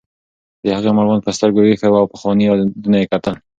د هغې مړوند پر سترګو ایښی و او پخواني یادونه یې کتل.